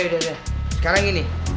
yaudah yaudah sekarang gini